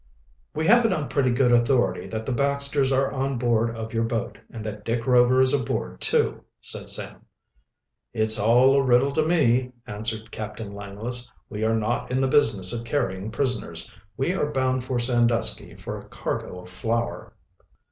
"We have it on pretty good authority that the Baxters are on board of your boat, and that Dick Rover is aboard, too," said Sam. "It's all a riddle to me," answered Captain Langless. "We are not in the business of carrying prisoners. We are bound for Sandusky for a cargo of flour."